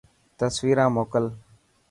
تصويران موڪل.